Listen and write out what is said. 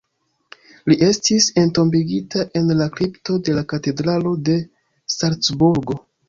Li estis entombigita en la kripto de la Katedralo de Salcburgo.